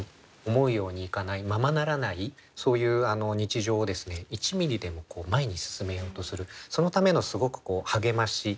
思うようにいかないままならないそういう日常を１ミリでも前に進めようとするそのためのすごく励まし。